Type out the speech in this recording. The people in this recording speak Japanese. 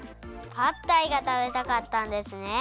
パッタイがたべたかったんですね。